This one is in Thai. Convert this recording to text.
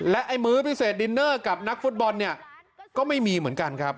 ไอ้มื้อพิเศษดินเนอร์กับนักฟุตบอลเนี่ยก็ไม่มีเหมือนกันครับ